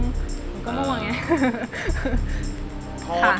มันก็ม่วงไง